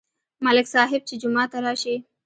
ملک صاحب چې جومات ته راشي،